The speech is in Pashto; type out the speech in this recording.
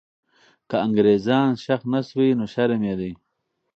که انګریزان ښخ نه سوي، نو شرم یې دی.